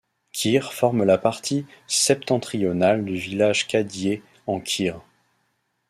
Keer forme la partie septentrionale du village Cadier en Keer.